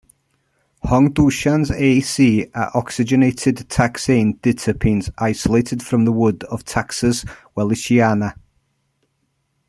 Hongdoushans A-C are oxygenated taxane diterpenes, isolated from the wood of "Taxus wallichiana".